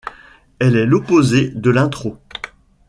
Elle est l'opposée de l'intro.